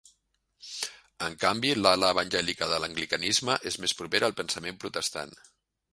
En canvi, l'ala evangèlica de l'anglicanisme és més propera al pensament protestant.